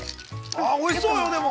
◆あー、おいしそうよ、でも。